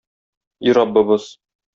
И Раббыбыз!